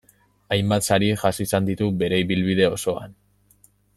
Hainbat sari jaso izan ditu bere ibilbide osoan.